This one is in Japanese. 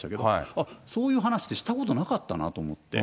あっ、そういう話ってしたことなかったなって。